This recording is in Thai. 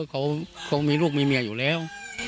เพราะว่าเขามีลูกมีเมียอยู่แล้ว